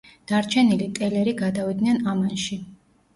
დარჩენილი ტელერი გადავიდნენ ამანში.